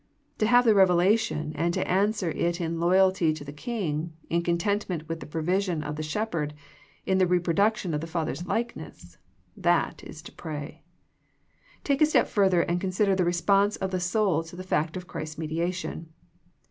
To have the revelation and to answer it in loyalty to the King, in contentment with the provision of the Shepherd, in the reproduction of the Father's likeness, that is to pray. Take a step further and consider the response of the soul to the fact of Christ's mediation.